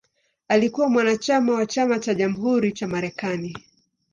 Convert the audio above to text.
Alikuwa mwanachama wa Chama cha Jamhuri cha Marekani.